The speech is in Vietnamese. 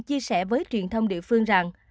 chia sẻ với truyền thông địa phương rằng